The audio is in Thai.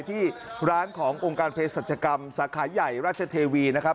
ที่ร้านขององค์การเพศรัชกรรมสาขาใหญ่ราชเทวีนะครับ